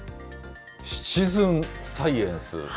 シチズンサイエンスですね。